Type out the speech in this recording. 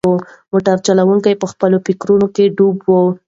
موټر چلونکی په خپلو فکرونو کې ډوب و.